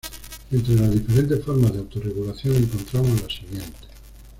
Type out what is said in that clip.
Entre las diferentes formas de autorregulación, encontramos las siguientes.